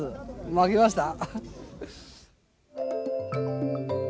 負けました。